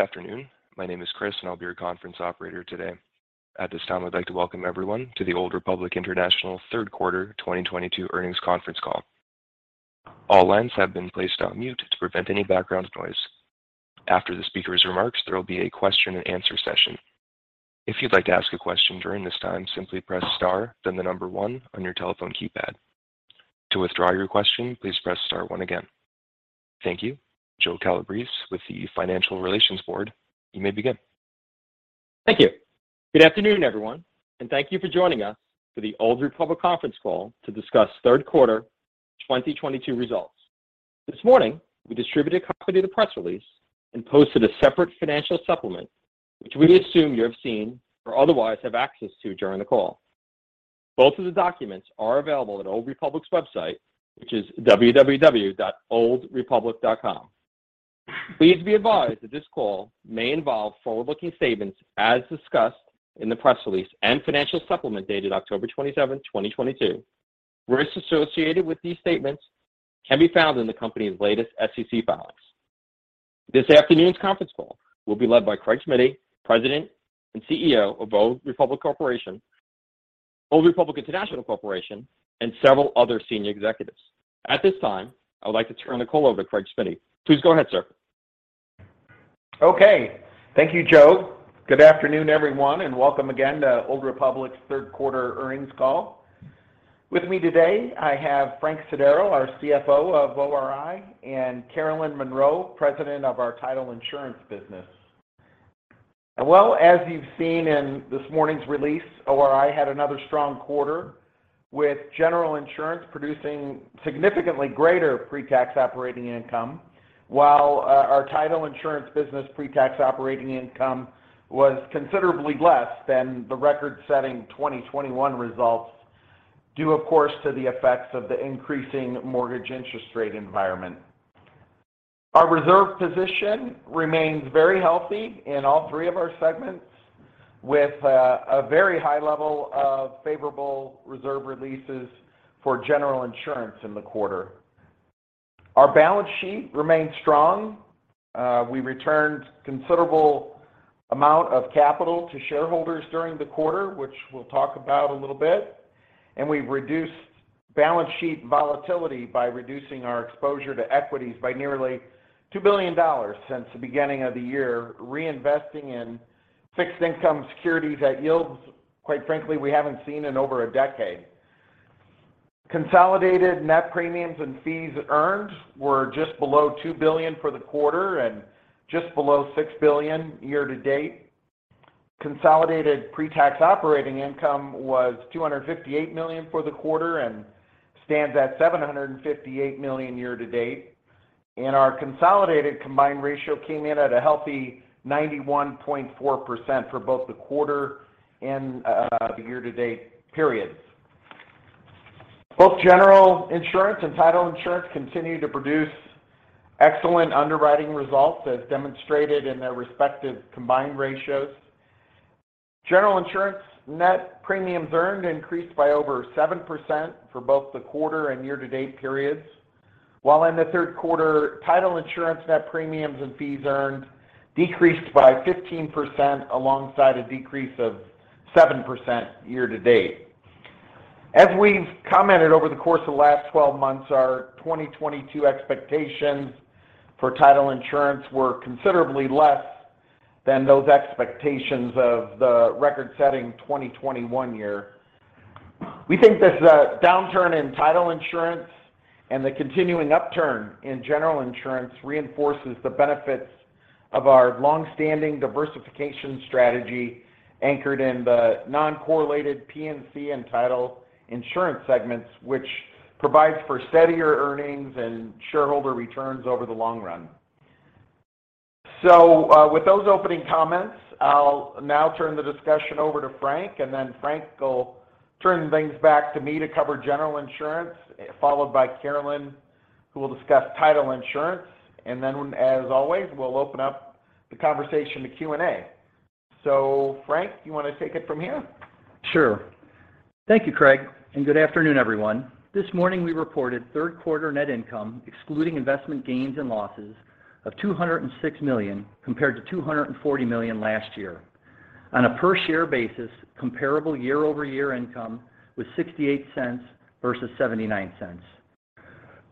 Good afternoon. My name is Chris, and I'll be your conference operator today. At this time, I'd like to welcome everyone to the Old Republic International third quarter 2022 earnings conference call. All lines have been placed on mute to prevent any background noise. After the speaker's remarks, there will be a question and answer session. If you'd like to ask a question during this time, simply press Star, then the number one on your telephone keypad. To withdraw your question, please press Star one again. Thank you. Joe Calabrese with the Financial Relations Board, you may begin. Thank you. Good afternoon, everyone, and thank you for joining us for the Old Republic conference call to discuss third quarter 2022 results. This morning, we distributed a copy of the press release and posted a separate financial supplement, which we assume you have seen or otherwise have access to during the call. Both of the documents are available at Old Republic's website, which is www.oldrepublic.com. Please be advised that this call may involve forward-looking statements as discussed in the press release and financial supplement dated October 27, 2022. Risks associated with these statements can be found in the company's latest SEC filings. This afternoon's conference call will be led by Craig Smiddy, President and CEO of Old Republic International Corporation, and several other senior executives. At this time, I would like to turn the call over to Craig Smiddy. Please go ahead, sir. Okay. Thank you, Joe. Good afternoon, everyone, and welcome again to Old Republic's third quarter earnings call. With me today, I have Frank Sodaro, our CFO of ORI, and Carolyn Monroe, President of our Title Insurance business. Well, as you've seen in this morning's release, ORI had another strong quarter with General Insurance producing significantly greater pre-tax operating income, while our Title Insurance business pre-tax operating income was considerably less than the record-setting 2021 results due, of course, to the effects of the increasing mortgage interest rate environment. Our reserve position remains very healthy in all three of our segments with a very high level of favorable reserve releases for General Insurance in the quarter. Our balance sheet remains strong. We returned considerable amount of capital to shareholders during the quarter, which we'll talk about a little bit, and we reduced balance sheet volatility by reducing our exposure to equities by nearly $2 billion since the beginning of the year, reinvesting in fixed income securities at yields, quite frankly, we haven't seen in over a decade. Consolidated net premiums and fees earned were just below $2 billion for the quarter and just below $6 billion year-to-date. Consolidated pre-tax operating income was $258 million for the quarter and stands at $758 million year-to-date. Our consolidated combined ratio came in at a healthy 91.4% for both the quarter and the year-to-date periods. Both General Insurance and Title Insurance continue to produce excellent underwriting results as demonstrated in their respective combined ratios. General Insurance net premiums earned increased by over 7% for both the quarter and year-to-date periods, while in the third quarter, Title Insurance net premiums and fees earned decreased by 15% alongside a decrease of 7% year-to-date. As we've commented over the course of the last 12 months, our 2022 expectations for Title Insurance were considerably less than those expectations of the record-setting 2021 year. We think this downturn in Title Insurance and the continuing upturn in General Insurance reinforces the benefits of our long-standing diversification strategy anchored in the non-correlated P&C and Title Insurance segments, which provides for steadier earnings and shareholder returns over the long run. With those opening comments, I'll now turn the discussion over to Frank, and then Frank will turn things back to me to cover General Insurance, followed by Carolyn, who will discuss Title Insurance. As always, we'll open up the conversation to Q&A. Frank, you want to take it from here? Sure. Thank you, Craig, and good afternoon, everyone. This morning, we reported third quarter net income, excluding investment gains and losses, of $206 million, compared to $240 million last year. On a per-share basis, comparable year-over-year income was $0.68 versus $0.79.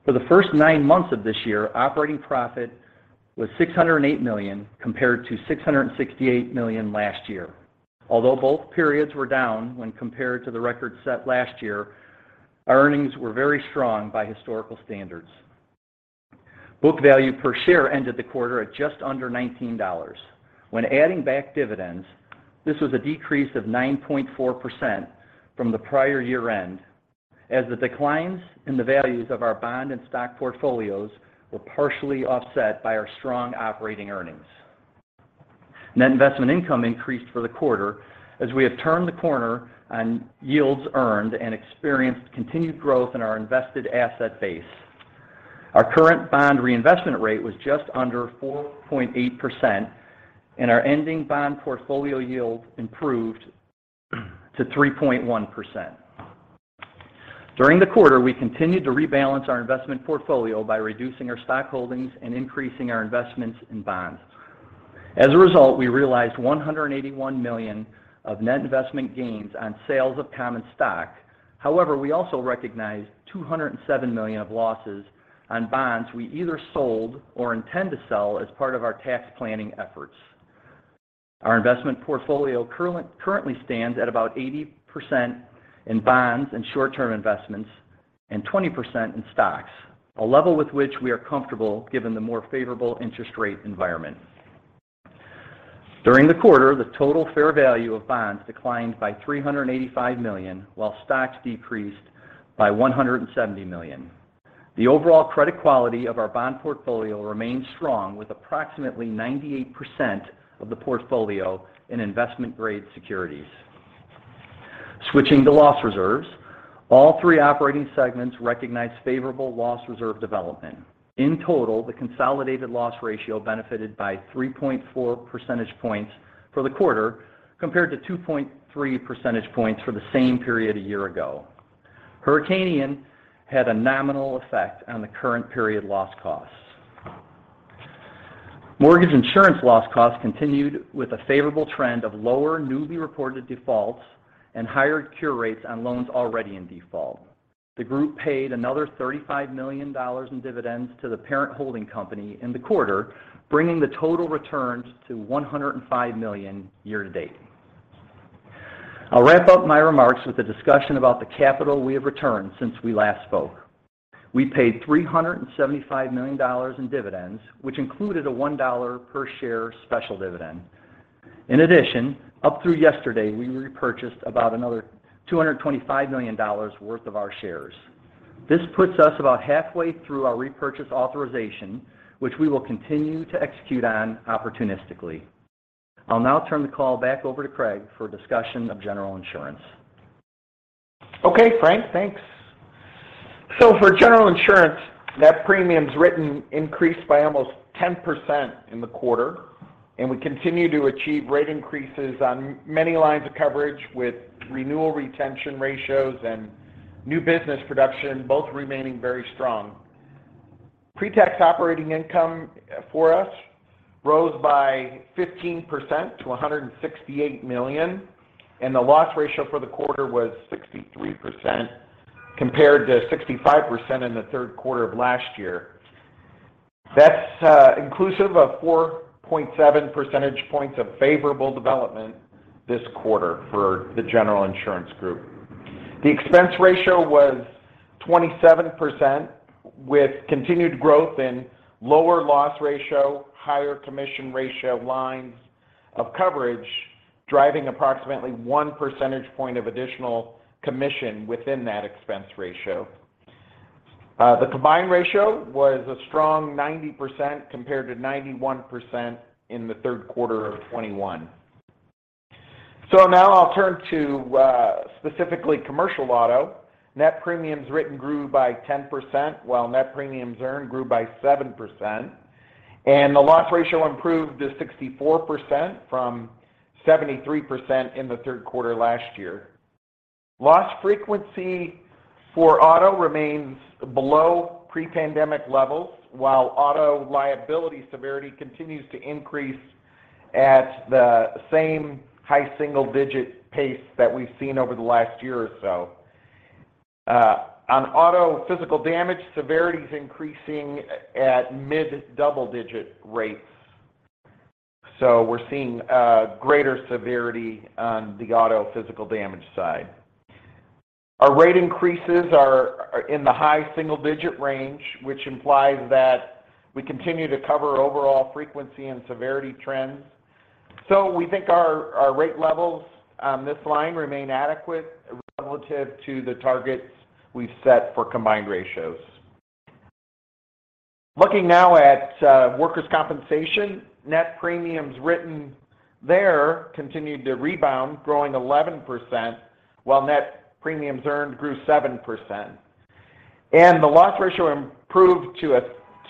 For the first nine months of this year, operating profit was $608 million, compared to $668 million last year. Although both periods were down when compared to the record set last year, our earnings were very strong by historical standards. Book value per share ended the quarter at just under $19. When adding back dividends, this was a decrease of 9.4% from the prior year-end, as the declines in the values of our bond and stock portfolios were partially offset by our strong operating earnings. Net investment income increased for the quarter as we have turned the corner on yields earned and experienced continued growth in our invested asset base. Our current bond reinvestment rate was just under 4.8%, and our ending bond portfolio yield improved to 3.1%. During the quarter, we continued to rebalance our investment portfolio by reducing our stock holdings and increasing our investments in bonds. As a result, we realized $181 million of net investment gains on sales of common stock. However, we also recognized $207 million of losses on bonds we either sold or intend to sell as part of our tax planning efforts. Our investment portfolio currently stands at about 80% in bonds and short-term investments and 20% in stocks, a level with which we are comfortable given the more favorable interest rate environment. During the quarter, the total fair value of bonds declined by $385 million, while stocks decreased by $170 million. The overall credit quality of our bond portfolio remains strong, with approximately 98% of the portfolio in investment-grade securities. Switching to loss reserves, all three operating segments recognized favorable loss reserve development. In total, the consolidated loss ratio benefited by 3.4 percentage points for the quarter compared to 2.3 percentage points for the same period a year ago. Hurricane Ian had a nominal effect on the current period loss costs. Mortgage insurance loss costs continued with a favorable trend of lower newly reported defaults and higher cure rates on loans already in default. The group paid another $35 million in dividends to the parent holding company in the quarter, bringing the total returns to $105 million year-to-date. I'll wrap up my remarks with a discussion about the capital we have returned since we last spoke. We paid $375 million in dividends, which included a $1 per share special dividend. In addition, up through yesterday, we repurchased about another $225 million worth of our shares. This puts us about halfway through our repurchase authorization, which we will continue to execute on opportunistically. I'll now turn the call back over to Craig for a discussion of General Insurance. Okay, Frank, thanks. For general insurance, net premiums written increased by almost 10% in the quarter, and we continue to achieve rate increases on many lines of coverage with renewal retention ratios and new business production both remaining very strong. Pre-tax operating income for us rose by 15% to $168 million, and the loss ratio for the quarter was 63% compared to 65% in the third quarter of last year. That's inclusive of 4.7 percentage points of favorable development this quarter for the General Insurance group. The expense ratio was 27% with continued growth in lower loss ratio, higher commission ratio lines of coverage, driving approximately 1 percentage point of additional commission within that expense ratio. The combined ratio was a strong 90% compared to 91% in the third quarter of 2021. Now I'll turn to specifically commercial auto. Net premiums written grew by 10%, while net premiums earned grew by 7%. The loss ratio improved to 64% from 73% in the third quarter last year. Loss frequency for auto remains below pre-pandemic levels, while auto liability severity continues to increase at the same high single-digit pace that we've seen over the last year or so. On auto physical damage, severity is increasing at mid-double-digit rates. We're seeing greater severity on the auto physical damage side. Our rate increases are in the high single-digit range, which implies that we continue to cover overall frequency and severity trends. We think our rate levels on this line remain adequate relative to the targets we've set for combined ratios. Looking now at workers' compensation, net premiums written there continued to rebound, growing 11%, while net premiums earned grew 7%. The loss ratio improved to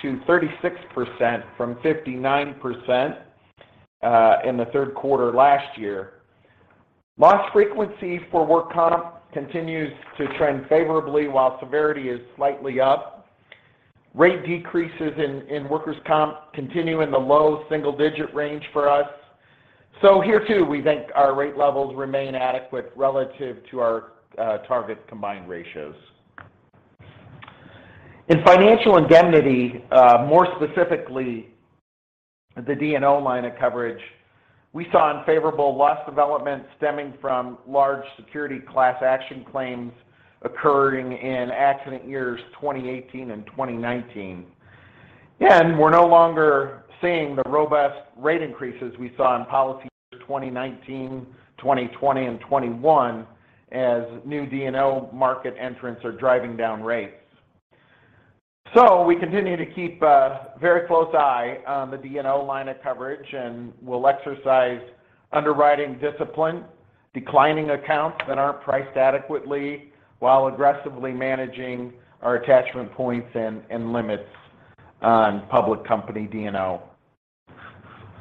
36% from 59% in the third quarter last year. Loss frequency for workers' comp continues to trend favorably, while severity is slightly up. Rate decreases in workers' comp continue in the low single-digit range for us. Here too, we think our rate levels remain adequate relative to our target combined ratios. In financial indemnity, more specifically the D&O line of coverage, we saw unfavorable loss development stemming from large securities class action claims occurring in accident years 2018 and 2019. We're no longer seeing the robust rate increases we saw in policy years 2019, 2020, and 2021 as new D&O market entrants are driving down rates. We continue to keep a very close eye on the D&O line of coverage and will exercise underwriting discipline, declining accounts that aren't priced adequately while aggressively managing our attachment points and limits on public company D&O.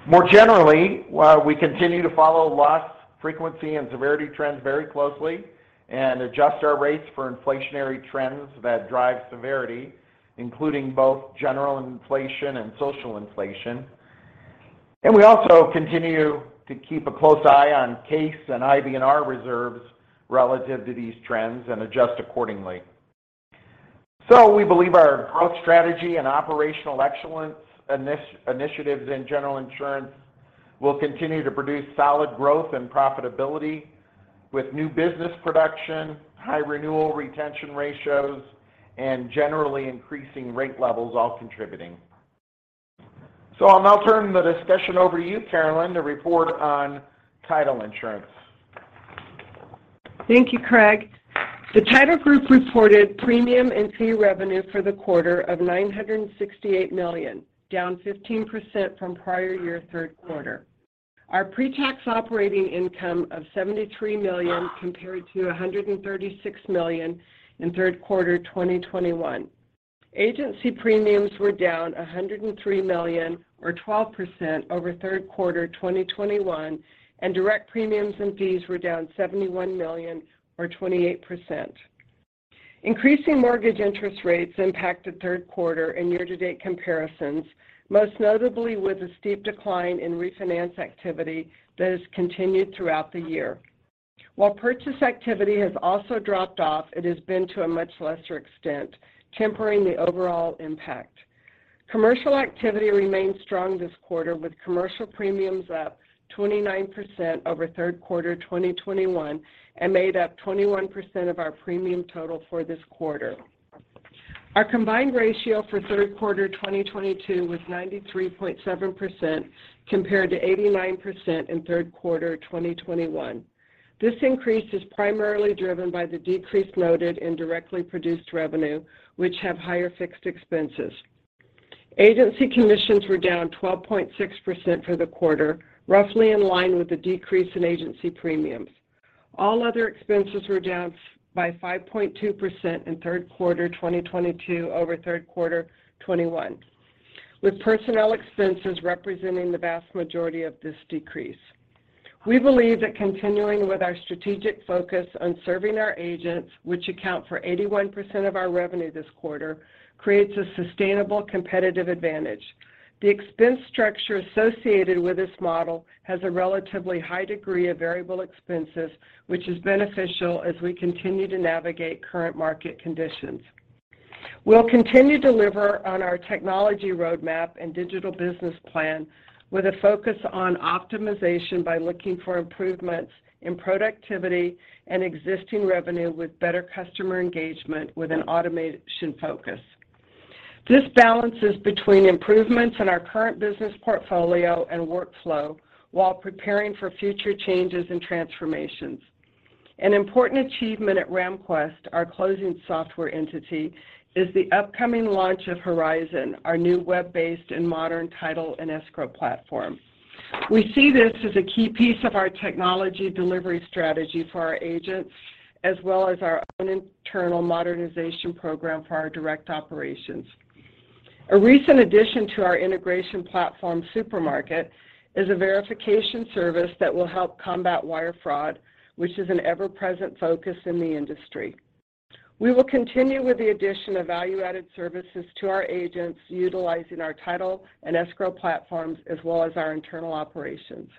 More generally, while we continue to follow loss, frequency, and severity trends very closely and adjust our rates for inflationary trends that drive severity, including both general inflation and social inflation. We also continue to keep a close eye on case and IBNR reserves relative to these trends and adjust accordingly. We believe our growth strategy and operational excellence initiatives in General Insurance will continue to produce solid growth and profitability with new business production, high renewal retention ratios, and generally increasing rate levels all contributing. I'll now turn the discussion over to you, Carolyn, to report on Title Insurance. Thank you, Craig. The Title group reported premium and fee revenue for the quarter of $968 million, down 15% from prior year third quarter. Our pre-tax operating income of $73 million compared to $136 million in third quarter 2021. Agency premiums were down $103 million or 12% over third quarter 2021, and direct premiums and fees were down $71 million or 28%. Increasing mortgage interest rates impacted third quarter and year-to-date comparisons, most notably with a steep decline in refinance activity that has continued throughout the year. While purchase activity has also dropped off, it has been to a much lesser extent, tempering the overall impact. Commercial activity remained strong this quarter, with commercial premiums up 29% over third quarter 2021 and made up 21% of our premium total for this quarter. Our combined ratio for third quarter 2022 was 93.7% compared to 89% in third quarter 2021. This increase is primarily driven by the decreased loaded and directly produced revenue, which have higher fixed expenses. Agency commissions were down 12.6% for the quarter, roughly in line with the decrease in agency premiums. All other expenses were down by 5.2% in third quarter 2022 over third quarter 2021, with personnel expenses representing the vast majority of this decrease. We believe that continuing with our strategic focus on serving our agents, which account for 81% of our revenue this quarter, creates a sustainable competitive advantage. The expense structure associated with this model has a relatively high degree of variable expenses, which is beneficial as we continue to navigate current market conditions. We'll continue to deliver on our technology roadmap and digital business plan with a focus on optimization by looking for improvements in productivity and existing revenue with better customer engagement with an automation focus. This balances between improvements in our current business portfolio and workflow while preparing for future changes and transformations. An important achievement at RamQuest, our closing software entity, is the upcoming launch of Horizon, our new web-based and modern title and escrow platform. We see this as a key piece of our technology delivery strategy for our agents, as well as our own internal modernization program for our direct operations. A recent addition to our integration platform supermarket is a verification service that will help combat wire fraud, which is an ever-present focus in the industry. We will continue with the addition of value-added services to our agents utilizing our title and escrow platforms as well as our internal operations.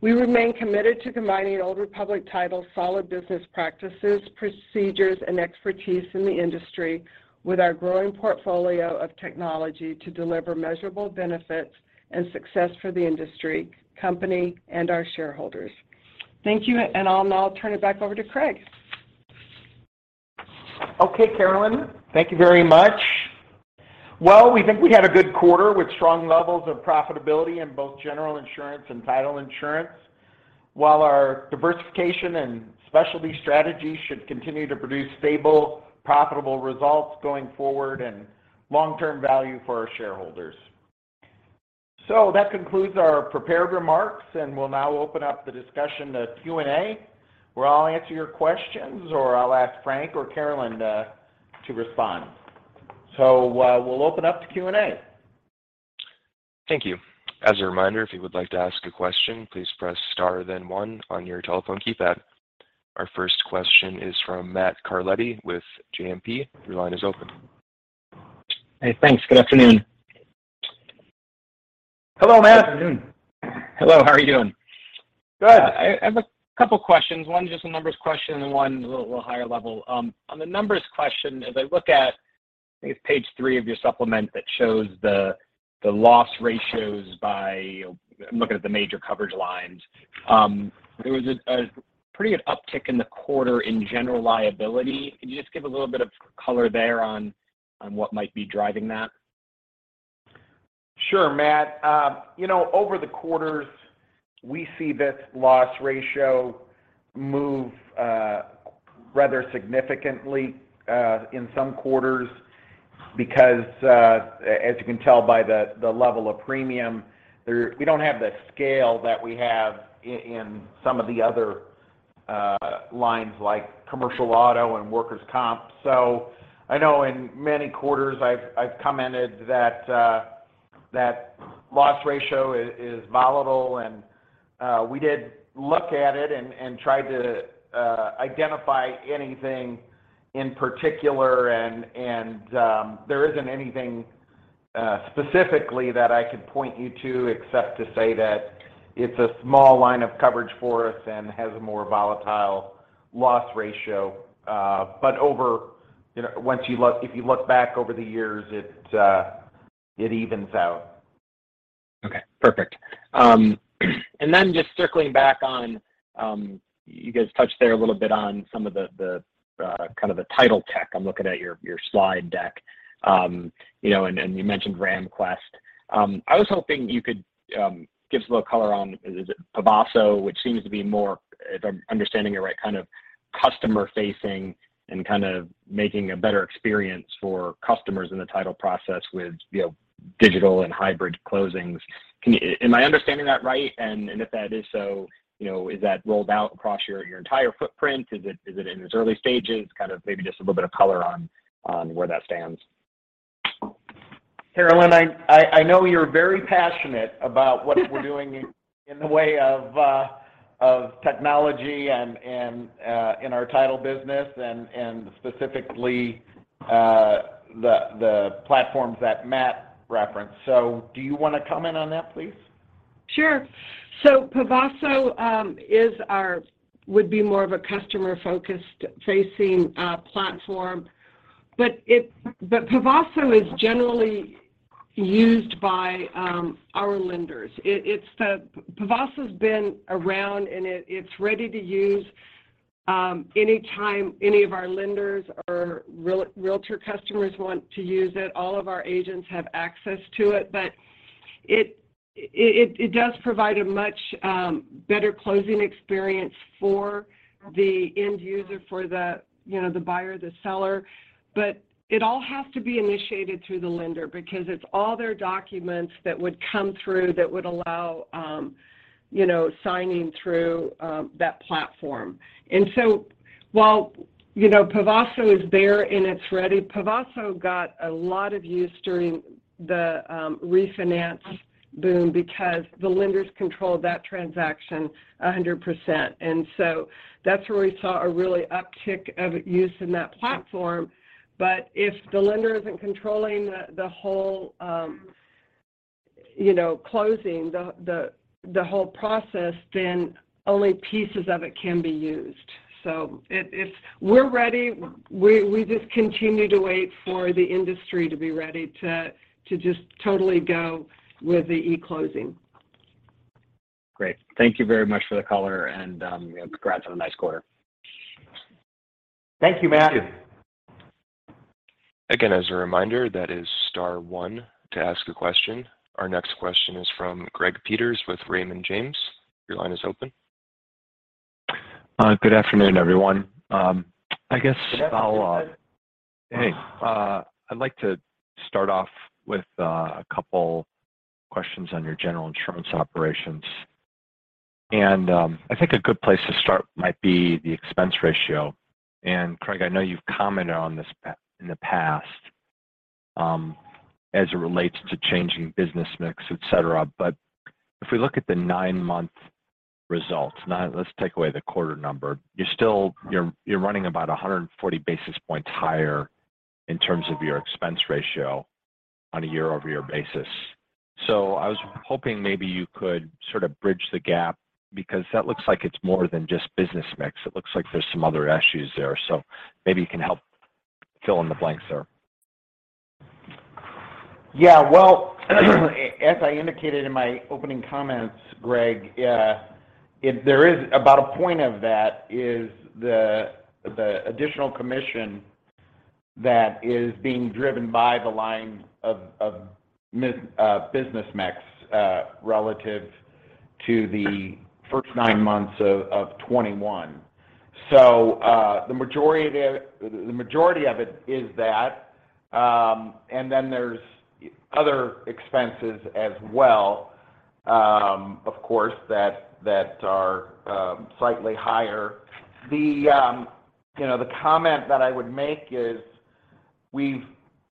We remain committed to combining Old Republic Title's solid business practices, procedures, and expertise in the industry with our growing portfolio of technology to deliver measurable benefits and success for the industry, company, and our shareholders. Thank you, and I'll now turn it back over to Craig. Okay, Carolyn. Thank you very much. Well, we think we had a good quarter with strong levels of profitability in both General Insurance and Title Insurance, while our diversification and specialty strategy should continue to produce stable, profitable results going forward and long-term value for our shareholders. That concludes our prepared remarks, and we'll now open up the discussion to Q&A, where I'll answer your questions or I'll ask Frank or Carolyn to respond. We'll open up to Q&A. Thank you. As a reminder, if you would like to ask a question, please press star then 1 on your telephone keypad. Our first question is from Matt Carletti with JMP. Your line is open. Hey, thanks. Good afternoon. Hello, Matt. Good afternoon. Hello, how are you doing? Good. I have a couple questions. One just a numbers question and one a little higher level. On the numbers question, as I look at, I think it's page 3 of your supplement that shows the loss ratios by, you know, I'm looking at the major coverage lines. There was a pretty significant uptick in the quarter in general liability. Could you just give a little bit of color there on what might be driving that? Sure, Matt. You know, over the quarters, we see this loss ratio move rather significantly in some quarters because, as you can tell by the level of premium, we don't have the scale that we have in some of the other lines like commercial auto and workers' comp. I know in many quarters I've commented that loss ratio is volatile, and we did look at it and tried to identify anything in particular, and there isn't anything specifically that I could point you to except to say that it's a small line of coverage for us and has a more volatile loss ratio. Overall, you know, if you look back over the years, it evens out. Okay, perfect. Then just circling back on, you guys touched there a little bit on some of the kind of the title tech. I'm looking at your slide deck. You know, and you mentioned RamQuest. I was hoping you could give us a little color on, is it Pavaso, which seems to be more, if I'm understanding it right, kind of customer-facing and kind of making a better experience for customers in the title process with, you know, digital and hybrid closings. Can you? Am I understanding that right? And if that is so, you know, is that rolled out across your entire footprint? Is it in its early stages? Kind of maybe just a little bit of color on where that stands. Carolyn, I know you're very passionate about what we're doing in the way of technology and in our title business and specifically the platforms that Matt referenced. Do you want to comment on that, please? Sure. Pavaso is more of a customer-facing platform. Pavaso is generally used by our lenders. Pavaso's been around, and it's ready to use anytime any of our lenders or realtor customers want to use it. All of our agents have access to it. But it does provide a much better closing experience for the end user, for the, you know, the buyer, the seller. But it all has to be initiated through the lender because it's all their documents that would come through that would allow, you know, signing through that platform. While, you know, Pavaso is there and it's ready, Pavaso got a lot of use during the refinance boom because the lenders controlled that transaction 100%. That's where we saw a real uptick of use in that platform. If the lender isn't controlling the whole closing, the whole process, then only pieces of it can be used. We're ready. We just continue to wait for the industry to be ready to just totally go with the eClosing. Great. Thank you very much for the color and, you know, congrats on a nice quarter. Thank you, Matthew. Again, as a reminder, that is star one to ask a question. Our next question is from Gregory Peters with Raymond James. Your line is open. Good afternoon, everyone. I guess I'll. Good afternoon. Hey, I'd like to start off with a couple questions on your General Insurance operations. I think a good place to start might be the expense ratio. Craig, I know you've commented on this in the past as it relates to changing business mix, et cetera. If we look at the nine-month results, let's take away the quarter number. You're still running about 140 basis points higher in terms of your expense ratio on a year-over-year basis. I was hoping maybe you could sort of bridge the gap because that looks like it's more than just business mix. It looks like there's some other issues there. Maybe you can help fill in the blanks there. Yeah. Well, as I indicated in my opening comments, Greg, there is about a point of that is the additional commission that is being driven by the line of business mix relative to the first nine months of 2021. The majority of it is that, and then there's other expenses as well, of course, that are slightly higher. You know, the comment that I would make is we've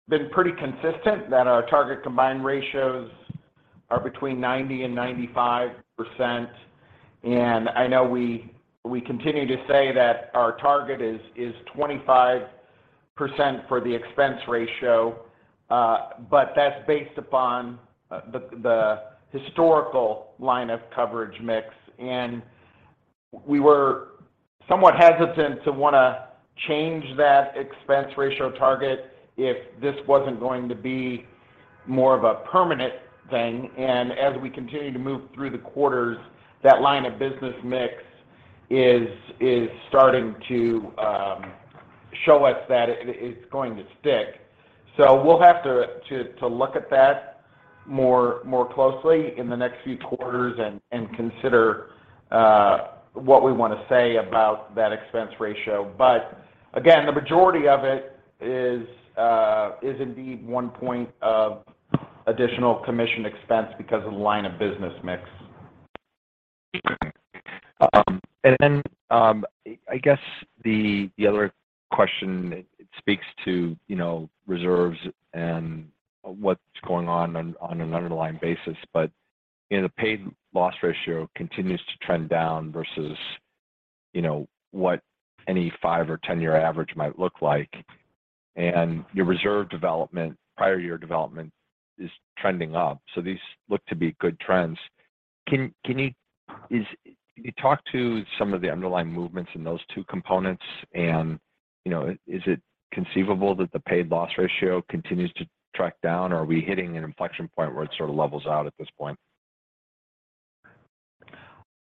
been pretty consistent that our target combined ratios are between 90%-95%. I know we continue to say that our target is 25% for the expense ratio, but that's based upon the historical line of coverage mix. We were somewhat hesitant to wanna change that expense ratio target if this wasn't going to be more of a permanent thing. As we continue to move through the quarters, that line of business mix is starting to show us that it's going to stick. We'll have to look at that more closely in the next few quarters and consider what we want to say about that expense ratio. Again, the majority of it is indeed 1% additional commission expense because of the line of business mix. I guess the other question it speaks to, you know, reserves and what's going on on an underlying basis. You know, the paid loss ratio continues to trend down versus, you know, what any 5- or 10-year average might look like. Your reserve development, prior year development is trending up, so these look to be good trends. Can you talk to some of the underlying movements in those two components? You know, is it conceivable that the paid loss ratio continues to track down? Are we hitting an inflection point where it sort of levels out at this point?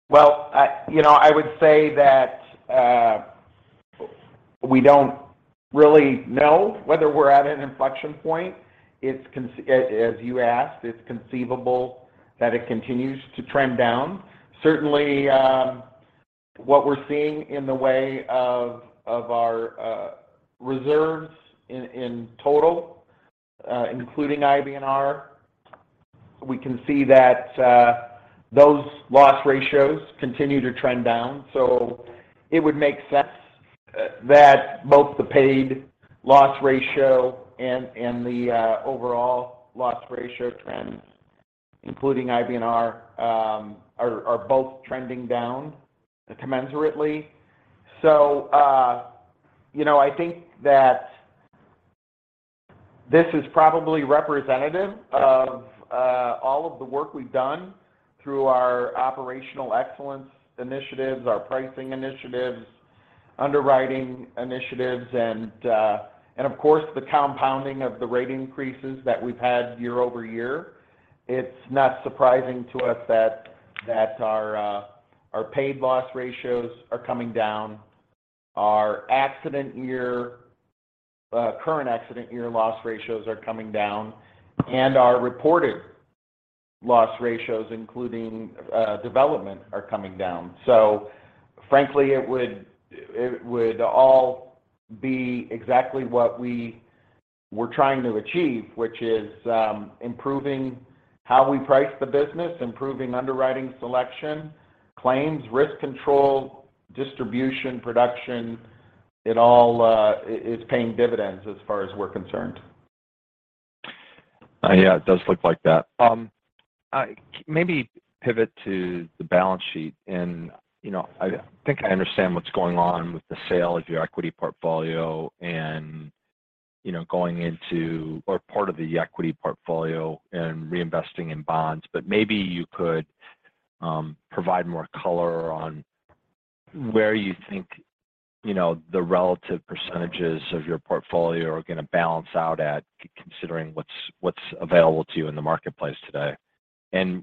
Well, you know, I would say that we don't really know whether we're at an inflection point. As you asked, it's conceivable that it continues to trend down. Certainly, what we're seeing in the way of our reserves in total, including IBNR, we can see that those loss ratios continue to trend down. It would make sense that both the paid loss ratio and the overall loss ratio trends, including IBNR, are both trending down commensurately. You know, I think that this is probably representative of all of the work we've done through our operational excellence initiatives, our pricing initiatives, underwriting initiatives, and of course, the compounding of the rate increases that we've had year-over-year. It's not surprising to us that our paid loss ratios are coming down. Our current accident year loss ratios are coming down, and our reported loss ratios, including development, are coming down. Frankly, it would all be exactly what we were trying to achieve, which is improving how we price the business, improving underwriting selection, claims, risk control, distribution, production. It all is paying dividends as far as we're concerned. Yeah, it does look like that. Maybe pivot to the balance sheet. You know, I think I understand what's going on with the sale of your equity portfolio and, you know, going into or part of the equity portfolio and reinvesting in bonds, but maybe you could provide more color on where you think, you know, the relative percentages of your portfolio are gonna balance out at considering what's available to you in the marketplace today.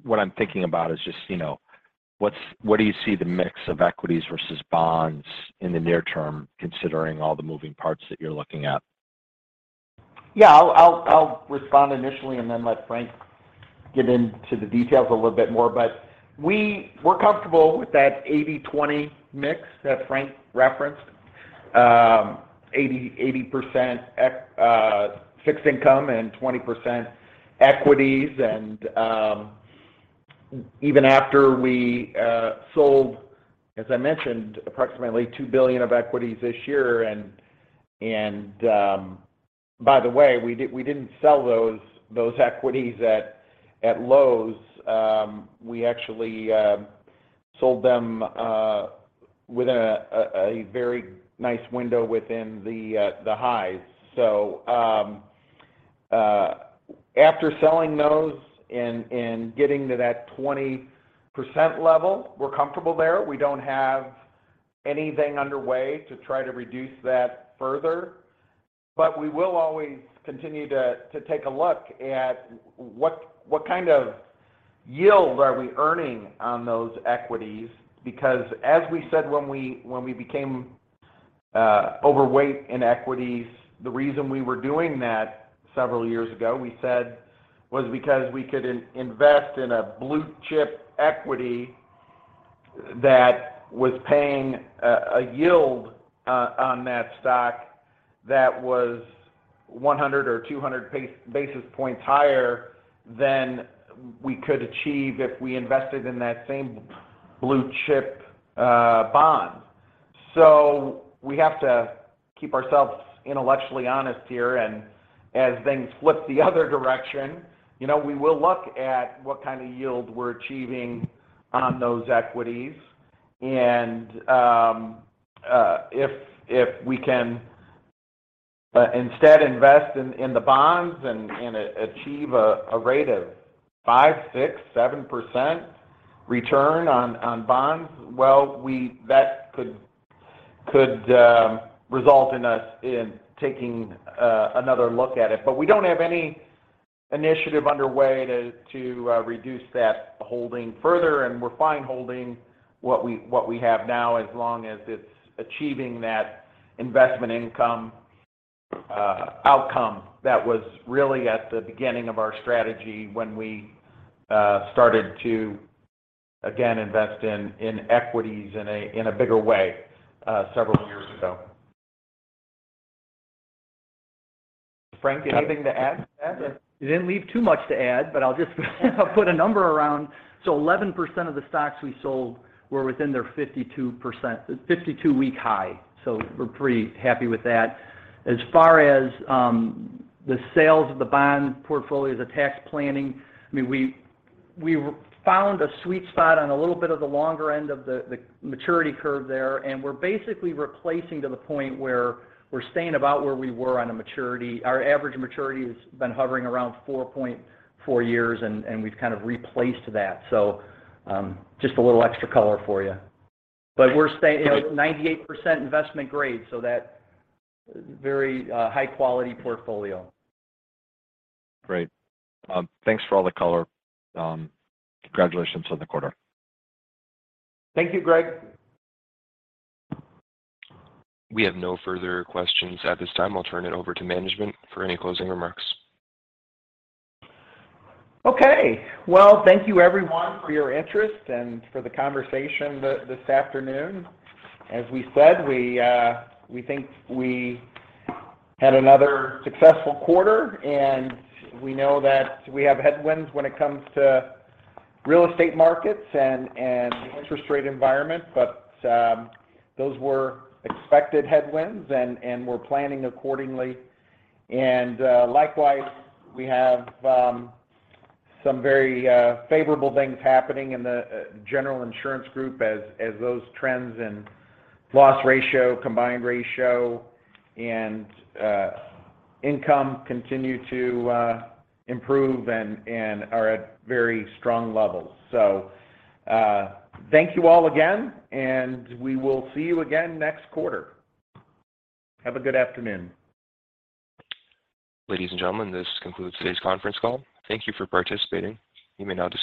What I'm thinking about is just, you know, where do you see the mix of equities versus bonds in the near term, considering all the moving parts that you're looking at? Yeah, I'll respond initially and then let Frank get into the details a little bit more. We're comfortable with that 80/20 mix that Frank referenced. 80% fixed income and 20% equities. Even after we sold, as I mentioned, approximately $2 billion of equities this year. By the way, we didn't sell those equities at lows. We actually sold them within a very nice window within the highs. After selling those and getting to that 20% level, we're comfortable there. We don't have anything underway to try to reduce that further. We will always continue to take a look at what kind of yield are we earning on those equities. Because as we said when we became overweight in equities, the reason we were doing that several years ago, we said, was because we could invest in a blue-chip equity that was paying a yield on that stock that was 100 or 200 basis points higher than we could achieve if we invested in that same blue-chip bond. We have to keep ourselves intellectually honest here, and as things flip the other direction, you know, we will look at what kind of yield we're achieving on those equities. If we can instead invest in the bonds and achieve a rate of 5, 6, 7% return on bonds, that could result in us taking another look at it. We don't have any initiative underway to reduce that holding further, and we're fine holding what we have now, as long as it's achieving that investment income outcome that was really at the beginning of our strategy when we started to again invest in equities in a bigger way several years ago. Frank, anything to add to that? You didn't leave too much to add, but I'll just put a number around. Eleven percent of the stocks we sold were within their 52-week high. We're pretty happy with that. As far as the sales of the bond portfolio, the tax planning, I mean, we found a sweet spot on a little bit of the longer end of the maturity curve there, and we're basically replacing to the point where we're staying about where we were on a maturity. Our average maturity has been hovering around 4.4 years and we've kind of replaced that. Just a little extra color for you. But we're staying, you know, 98% investment grade, so that very high quality portfolio. Great. Thanks for all the color. Congratulations on the quarter. Thank you, Greg. We have no further questions at this time. I'll turn it over to management for any closing remarks. Okay. Well, thank you everyone for your interest and for the conversation this afternoon. As we said, we think we had another successful quarter, and we know that we have headwinds when it comes to real estate markets and the interest rate environment. Those were expected headwinds and we're planning accordingly. Likewise, we have some very favorable things happening in the General Insurance group as those trends and loss ratio, combined ratio, and income continue to improve and are at very strong levels. Thank you all again, and we will see you again next quarter. Have a good afternoon. Ladies and gentlemen, this concludes today's conference call. Thank you for participating. You may now disconnect.